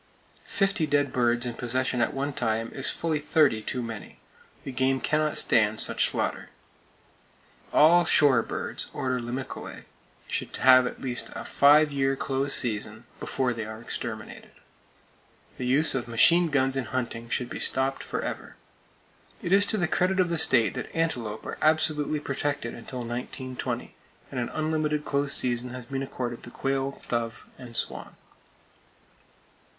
Fifty dead birds in possession at one time is fully thirty too many. The game cannot stand such slaughter! All shore birds (Order Limicolae) should have at least a five year close season, before they are exterminated. The use of machine guns in hunting should be stopped, forever. It is to the credit of the state that antelope are absolutely protected until 1920, and an unlimited close season has been accorded the quail, dove and swan.